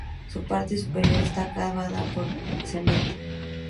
Su parte superior está acabada con cemento.